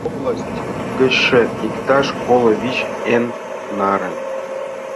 А пӱтынь область гычше — иктаж коло вич еҥ наре.